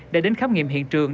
đã đến khám nghiệm hiện trường